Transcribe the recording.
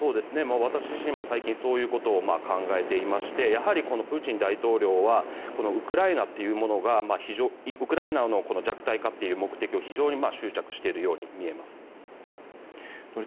私自身も最近そういうことを考えていましてやはりプーチン大統領はウクライナの弱体化という目的を非常に執着しているように見えます。